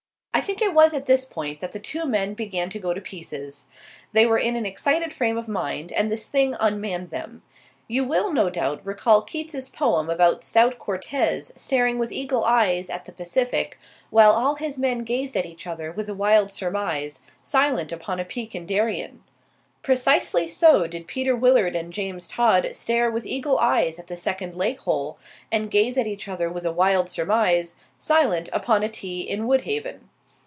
I think it was at this point that the two men began to go to pieces. They were in an excited frame of mind, and this thing unmanned them. You will no doubt recall Keats's poem about stout Cortez staring with eagle eyes at the Pacific while all his men gazed at each other with a wild surmise, silent upon a peak in Darien. Precisely so did Peter Willard and James Todd stare with eagle eyes at the second lake hole, and gaze at each other with a wild surmise, silent upon a tee in Woodhaven.